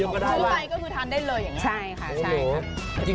คืนก้นมาก็ทานได้เลยใช่ค่ะ